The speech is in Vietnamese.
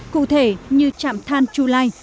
cụ thể như trạm than chu lai